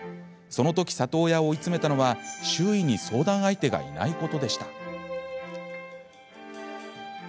そのとき、里親を追い詰めたのは周囲に相談相手がいないことでした。